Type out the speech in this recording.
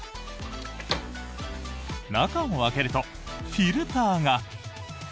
中を開けるとフィルターが。